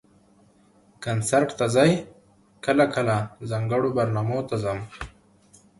کنسرټ ته ځئ؟ کله کله، ځانګړو برنامو ته ځم